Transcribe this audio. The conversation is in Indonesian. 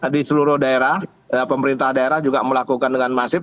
di seluruh daerah pemerintah daerah juga melakukan dengan masif